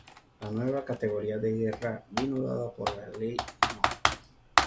La nueva categoría de Guerra vino dada por la ley no.